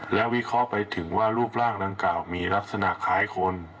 และวิเคราะห์ไปถึงว่ารูปร่างดังกล่าวมีลักษณะคล้ายคน